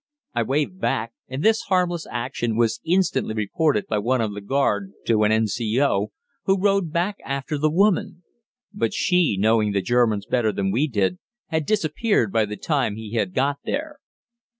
I waved back, and this harmless action was instantly reported by one of the guard to an N.C.O., who rode back after the woman; but she, knowing the Germans better than we did, had disappeared by the time he had got there.